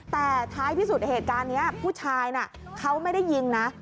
แต่ท้ายที่สุดเหตุการณ์นี้ผู้ชายน่ะเขาไม่ได้ยิงนะ